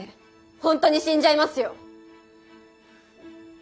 本当に死んじゃいますよ？